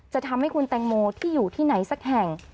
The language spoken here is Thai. จะทำให้คุณแตงโมที่อยู่ที่ไหนสักแห่ง